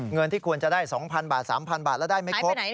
เงินที่ควรจะได้๒๐๐บาท๓๐๐บาทแล้วได้ไม่ครบ